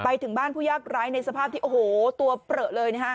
ไปถึงบ้านผู้ยากร้ายในสภาพที่โอ้โหตัวเปลือเลยนะฮะ